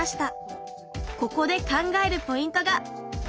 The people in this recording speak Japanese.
ここで考えるポイントが！